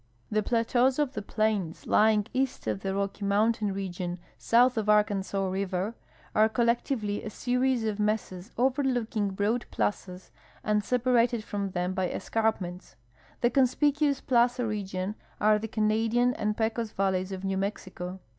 The plateaus of the plains lying east of the Rocky mountain region south of Arkansas river are collectively a series of mesas overlooking broad plazas and separated from them by escarp ments. The conspicuous plaza regions are the Canadian and Pecos valleys of New Mexico.